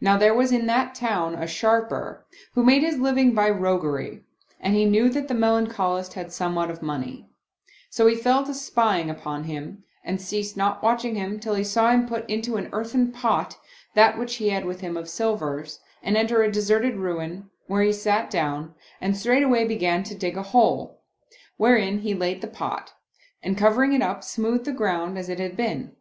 Now there was in that town a Sharper, who made his living by roguery, and he knew that the Melancholist had somewhat of money ; so he fell to spying upon him and ceased not watching him till he saw him put into an earthen pot that which he had with him of silvers and enter a deserted ruin, where he sat down, and straightway began to dig a hole, wherein he laid the pot and covering it up, smoothed the ground as it had been.